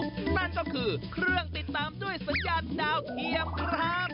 นั่นก็คือเครื่องติดตามด้วยสัญญาณดาวเทียมครับ